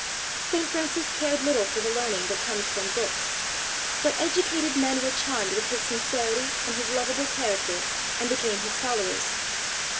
St. Francis cared little for the learning that comes from books; but educated men were charmed with his sincerity and his lovable character and became his fol lowers.